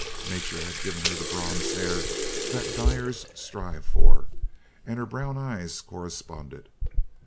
Nature had given her the bronze hair that dyers strive for, and her brown eyes corresponded.